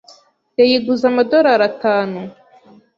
Yayiguze amadorari atanu.